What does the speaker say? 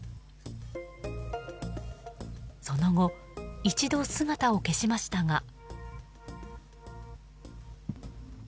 その後、一度姿を消しましたが。